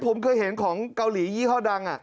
ผมเคยเห็นของเกาหลียี่ห้อดัง